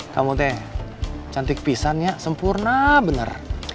kamu teh cantik pisannya sempurna bener